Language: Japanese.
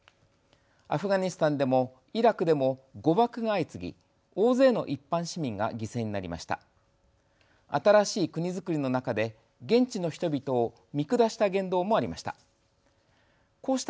アフガニスタンでもイラクでも誤爆が相次ぎ大勢の一般市民が犠牲になりました。